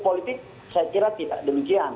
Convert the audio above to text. politik saya kira demikian